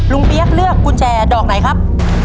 เปี๊ยกเลือกกุญแจดอกไหนครับ